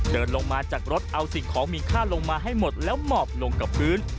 เดินลงมาจากรถเอาสิ่งของมีค่าลงมาให้หมดแล้วหมอบลงกับพื้น